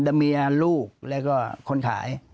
แต่เมียลูกแล้วก็คนขาย